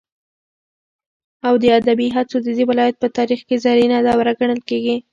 او د ادبي هڅو ددې ولايت په تاريخ كې زرينه دوره گڼل كېږي.